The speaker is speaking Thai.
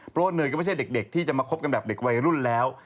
เพราะว่าเนยก็ไม่ใช่เด็กที่จะมาคบกันแบบเด็กวัยรุ่นแล้ว